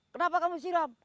kenapa kamu disiram